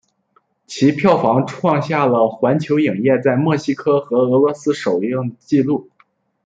其票房创下了环球影业在墨西哥和俄罗斯首映的纪录。